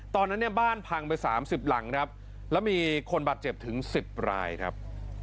ตอนนั้นเนี่ยบ้านพังไป๓๐หลังครับแล้วมีคนบาดเจ็บถึง๑๐รายครับ